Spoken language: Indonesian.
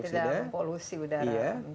jadi tidak polusi udara